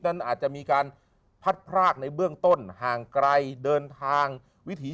นั้นอาจจะมีการพัดพรากในเบื้องต้นห่างไกลเดินทางวิถี